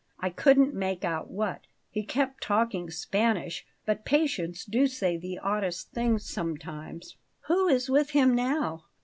I couldn't make out what; he kept talking Spanish; but patients do say the oddest things sometimes." "Who is with him now?"